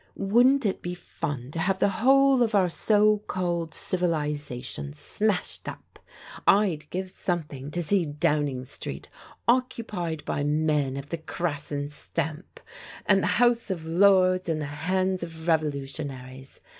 Wouldn't it be fun to have the whole of our so called civilization smashed up! I'd give something to see Downing Street occupied by men of the Krassin THE "GOOD FBIEND'' 215 stamp, and the House of Lords in the hands of revolu tionaries.